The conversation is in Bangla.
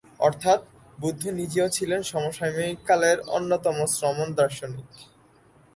অর্থাৎ, বুদ্ধ নিজেও ছিলেন সমসাময়িক কালের অন্যতম শ্রমণ দার্শনিক।